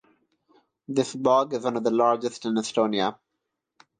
This bog is one of the largest in Estonia.